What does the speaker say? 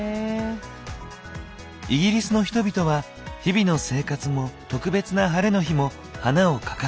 イギリスの人々は日々の生活も特別なハレの日も花を欠かさない。